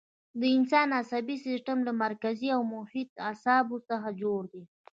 د انسان عصبي سیستم له مرکزي او محیطي اعصابو څخه جوړ دی.